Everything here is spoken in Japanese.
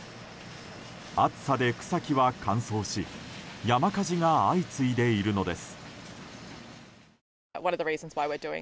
暑さで草木は乾燥し山火事が相次いでいるのです。